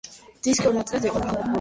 დისკი ორ ნაწილად იყოფა.